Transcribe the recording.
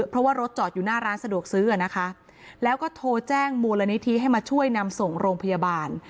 เพราะว่ารถจอดอยู่หน้าร้านสะดวกซื้ออ่ะนะคะแล้วก็โทรแจ้งมูลนิธิให้มาช่วยนำส่งโรงพยาบาล